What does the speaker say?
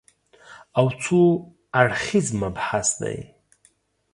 او څو اړخیز مبحث دی